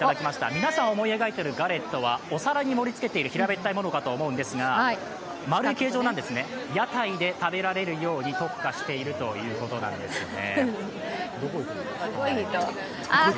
皆さん思い描いているお皿に盛り付けている平べったいものかと思いますが丸い形状なんですね、屋台で食べられるように特化しているということなんですね。